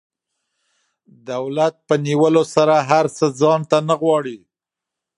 دولت په نیولو سره هر څه ځان ته نه غواړي.